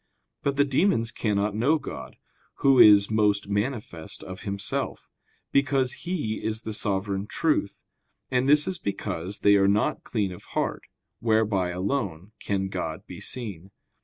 But the demons cannot know God, Who is most manifest of Himself, because He is the sovereign truth; and this is because they are not clean of heart, whereby alone can God be seen.